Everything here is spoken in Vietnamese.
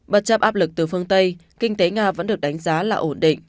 bất chấp áp lực từ phương tây kinh tế nga vẫn được đánh giá là ổn định